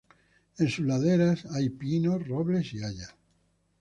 En sus laderas hay pinos, robles y hayas.